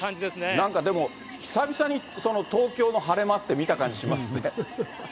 なんかでも、久々にその東京の晴れ間って見た感じしますね。